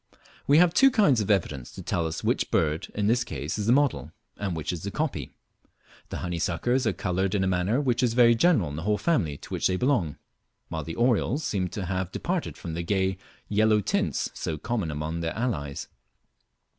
We have two kinds of evidence to tell us which bird in this case is the model, and which the copy. The honeysuckers are coloured in a manner which is very general in the whole family to which they belong, while the orioles seem to have departed from the gay yellow tints so common among their allies.